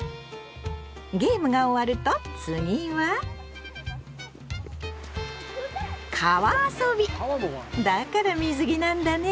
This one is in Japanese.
ゲームが終わると次はだから水着なんだね！